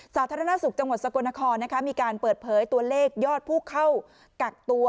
สาธารณสุขจังหวัดสกลนครมีการเปิดเผยตัวเลขยอดผู้เข้ากักตัว